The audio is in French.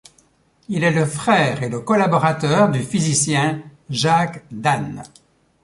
Il est le frère et le collaborateur du physicien Jacques Danne.